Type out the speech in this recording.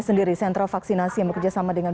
sendiri sentra vaksinasi yang bekerjasama dengan